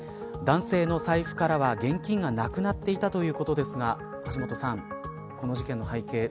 男性の財布からは、現金がなくなっていたということですが橋下さん、この事件の背景